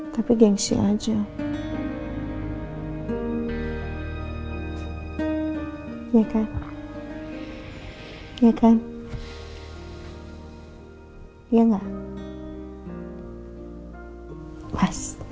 tapi gengsi aja